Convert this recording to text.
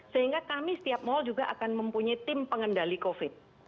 sehingga kami setiap mal juga akan mempunyai tim pengendali covid